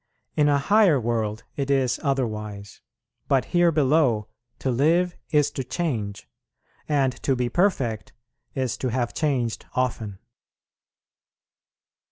In a higher world it is otherwise, but here below to live is to change, and to be perfect is to have changed often.